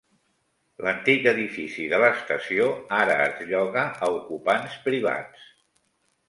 L'antic edifici de l'estació ara es lloga a ocupants privats.